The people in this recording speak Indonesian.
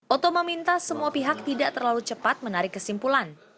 oto meminta semua pihak tidak terlalu cepat menarik kesimpulan